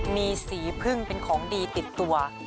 มีสีพึ่งเป็นของดีติดตัว